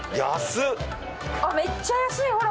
めっちゃ安いほら。